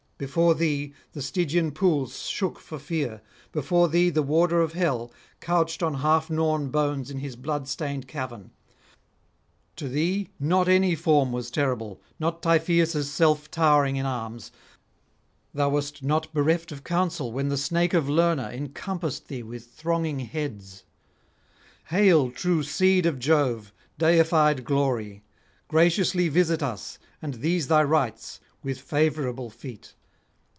Before thee the Stygian pools [296 329]shook for fear, before thee the warder of hell, couched on half gnawn bones in his blood stained cavern; to thee not any form was terrible, not Typhoeus' self towering in arms; thou wast not bereft of counsel when the snake of Lerna encompassed thee with thronging heads. Hail, true seed of Jove, deified glory! graciously visit us and these thy rites with favourable feet.